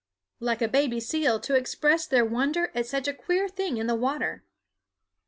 _ like a baby seal to express their wonder at such a queer thing in the water.